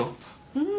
うん。